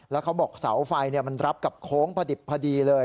แล้วเขาบอกเสาไฟมันรับกับโค้งพอดิบพอดีเลย